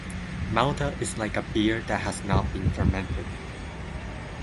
Malta is like a beer that has not been fermented.